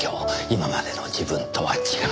今までの自分とは違う。